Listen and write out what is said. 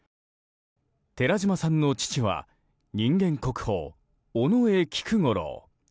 寺島さんの父は人間国宝・尾上菊五郎。